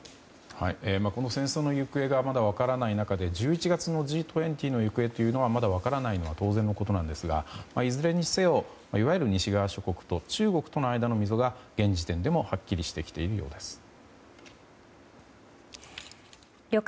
この戦争の行方がまだ分からない中で１１月のＧ２０の行方というのがまだ分からないのは当然なんですが、いずれにせよいわゆる西側諸国と中国との間の溝が現時点でもはっきりしてきているようです。